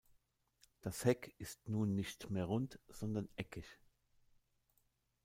Das Heck ist nun nicht mehr rund, sondern eckig.